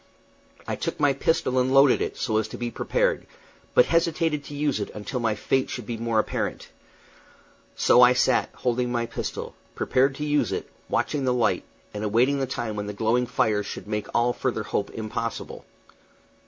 I took my pistol and loaded it, so as to be prepared, but hesitated to use it until my fate should be more apparent. So I sat, holding my pistol, prepared to use it, watching the light, and awaiting the time when the glowing fires should make all further hope impossible.